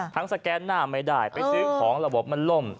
สแกนหน้าไม่ได้ไปซื้อของระบบมันล่ม